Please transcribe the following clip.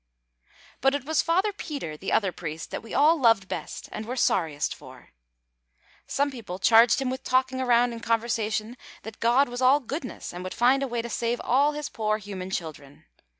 But it was Father Peter, the other priest, that we all loved best and were sorriest for. Some people charged him with talking around in conversation that God was all goodness and would find a way to save all his poor human children.